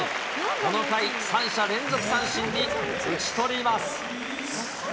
この回、３者連続三振に打ち取ります。